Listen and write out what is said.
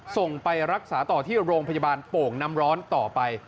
ส่งไปรักษาต่อที่โรงพยาบาลโป่งน้ำร้อนต่อไป